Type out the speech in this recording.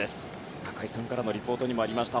中居さんからのリポートにもありました